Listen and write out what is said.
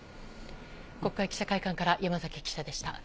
国会記者会館から山崎記者でした。